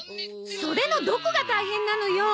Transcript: それのどこが大変なのよ！